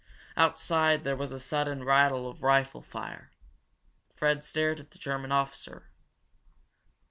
Outside there was a sudden rattle of rifle fire. Fred stared at the German officer.